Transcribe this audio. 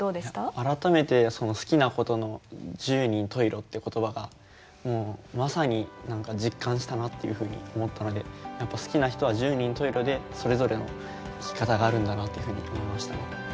改めてその好きなことの十人十色っていう言葉がもうまさに実感したなっていうふうに思ったのでやっぱ好きな人は十人十色でそれぞれの生き方があるんだなっていうふうに思いました。